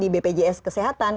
di bpjs kesehatan